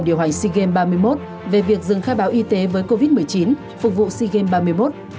điều hành sea games ba mươi một về việc dừng khai báo y tế với covid một mươi chín phục vụ sea games ba mươi một